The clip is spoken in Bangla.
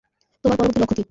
তোমার পরবর্তী লক্ষ্য কি?